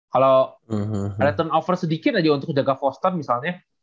kalau ada turnover sedikit aja untuk jaga foster misalnya